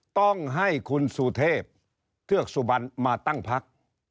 ต้องให้คุณสุเทพเทือกสุบันมาตั้งพัก